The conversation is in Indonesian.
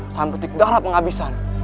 sampai ketika darah penghabisan